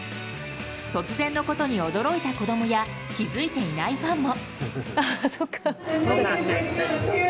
突然のことに驚いた子供や気づいていないファンも。